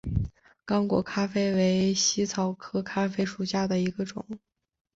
刚果咖啡为茜草科咖啡属下的一个种。